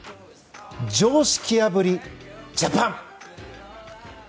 常識破りジャパン。